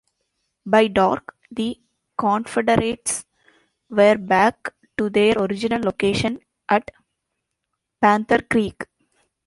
By dark, the Confederates were back to their original location at Panther Creek.